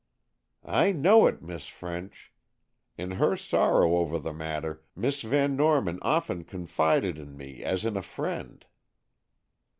"I know it, Miss French. In her sorrow over the matter, Miss Van Norman often confided in me as in a friend."